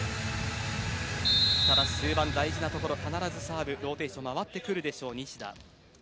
ただ終盤大事なところ必ずサーブローテーションが回ってくるでしょう西田。